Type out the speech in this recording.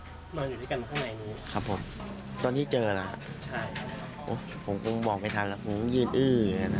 ก็เจอนอนอยู่ด้วยกันแล้วครับผมตอนที่เจอแล้วผมก็บอกไม่ทันแล้วผมก็ยืนอื้ออย่างนั้น